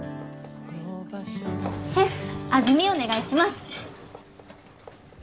シェフ味見お願いします。